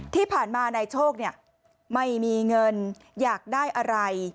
ที่ผ่านมานายโชคไม่มีเงินอยากได้อะไร